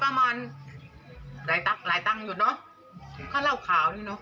เหนี๊ยเรากินทุก๑๐บาทแล้วก็เมาแล้ว